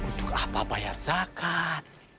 untuk apa bayar zakat